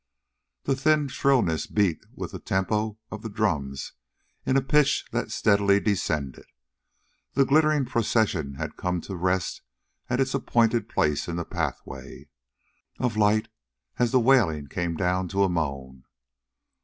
The thin shrillness beat with the tempo of the drums in a pitch that steadily descended. The glittering procession had come to rest at its appointed place in the pathway, of light as the wailing came down to a moan.